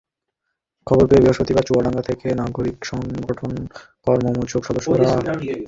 খবর পেয়ে বৃহস্পতিবার চুয়াডাঙ্গা থেকে নাগরিক সংগঠন লোকমোর্চার সদস্যরা সরেজমিনে তদন্তে যান।